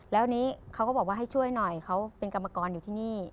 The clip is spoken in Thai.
แล้วนี้เขาก็บอกว่าให้ช่วยหน่อยเขาเป็นกรรมกรอยู่ที่นี่